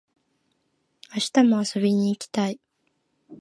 明日も遊びに行きたい